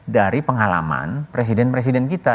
dari pengalaman presiden presiden kita